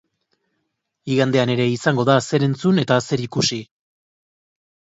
Igandean ere izango da zer entzun eta zer ikusi.